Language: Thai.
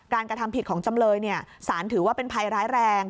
กระทำผิดของจำเลยสารถือว่าเป็นภัยร้ายแรง